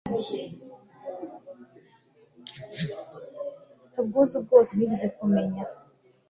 ubwuzu bwose nigeze kumenya